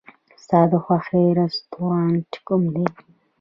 ستا د خوښې رستورانت کوم دی؟